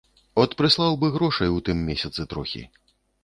От прыслаў быў грошай у тым месяцы трохі.